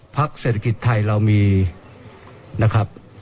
เศรษฐกิจไทยเรามีนะครับ